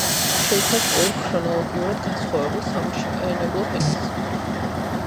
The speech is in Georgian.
შეიცავს ორ ქრონოლოგიურად განსხვავებულ სამშენებლო ფენას.